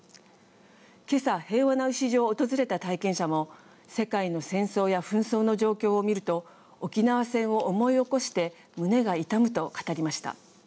今朝平和の礎を訪れた体験者も世界の戦争や紛争の状況を見ると沖縄戦を思い起こして胸が痛むと語りました。